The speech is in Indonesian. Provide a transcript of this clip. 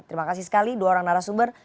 terima kasih sekali dua orang narasumber